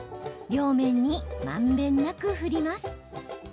両面に、まんべんなく振ります。